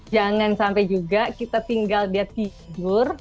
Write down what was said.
jangan sampai juga kita tinggal dia tidur